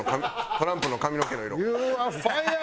トランプの髪の毛の色や。